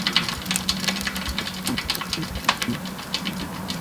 Kaykunam huknin uywakuna.